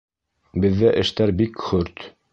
Беҙҙә эштәр бик хөрт.